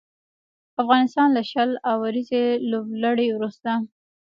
افغانستان له شل اوريزې لوبلړۍ وروسته